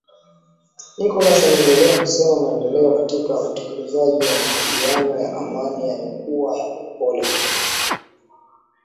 Nicholas ameendelea kusema maendeleo katika utekelezaji wa makubaliano ya Amani yamekuwa ya polepole